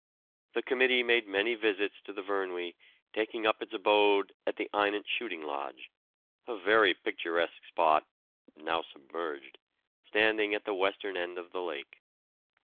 The committee made many visits to the Vyrnwy, taking up its abode at the Eynant Shooting Lodge, a very picturesque spot (now submerged) standing at the western end of the lake.